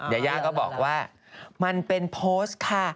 ยาย่าก็บอกว่ามันเป็นโพสต์ค่ะ